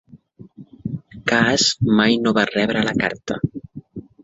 Kaas mai no va rebre la carta.